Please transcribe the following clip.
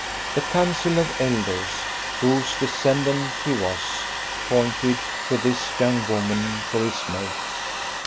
The council of elders, whose descendant he was, pointed to this young woman for his mate.